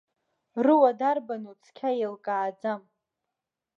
Руа дарбану цқьа еилкааӡам.